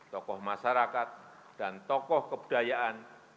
tokoh masyarakat dan tokoh kebudayaan